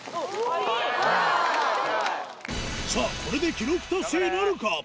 さぁこれで記録達成なるか？